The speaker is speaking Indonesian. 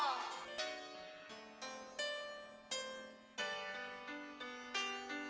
pahlawan nasional dari betawi siapa